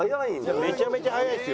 めちゃめちゃ速いですよ。